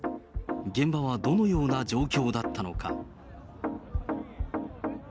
現場はどのような状況だったのか。